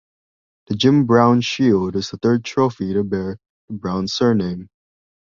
The Jim Brown Shield is the third trophy to bear the Brown surname.